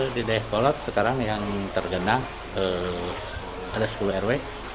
di dayakolot sekarang yang tergenang ada sepuluh rw